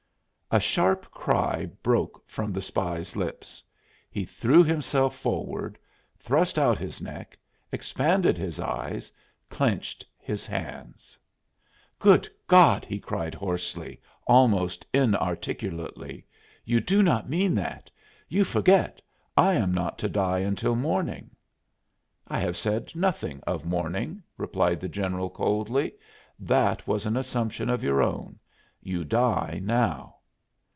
A sharp cry broke from the spy's lips. He threw himself forward, thrust out his neck, expanded his eyes, clenched his hands. "Good God!" he cried hoarsely, almost inarticulately; "you do not mean that! You forget I am not to die until morning." "I have said nothing of morning," replied the general, coldly; "that was an assumption of your own. You die now."